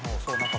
「そう。